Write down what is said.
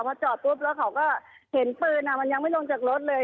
พอจอดปุ๊บแล้วเขาก็เห็นปืนมันยังไม่ลงจากรถเลย